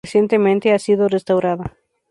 Recientemente ha sido restaurada.